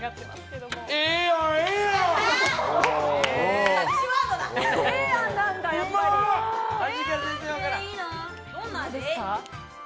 どんな味ですか？